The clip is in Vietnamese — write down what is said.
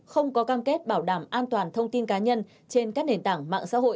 không có cam kết bảo đảm an toàn thông tin cá nhân trên các nền tảng mạng xã hội